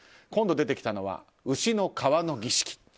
今度出てきたのは牛の皮の儀式。